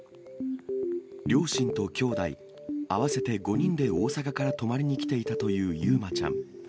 両親ときょうだい合わせて５人で大阪から泊まりに来ていたという結真ちゃん。